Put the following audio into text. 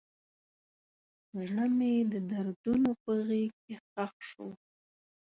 زړه مې د دردونو په غیږ کې ښخ شو.